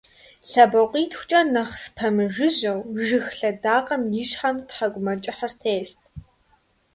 ЛъэбакъуитхукӀэ нэхъ спэмыжыжьэу, жыг лъэдакъэм и щхьэм тхьэкӀумэкӀыхьыр тест.